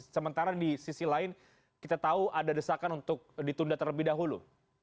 sementara di sisi lain kita tahu ada desakan untuk ditunda terlebih dahulu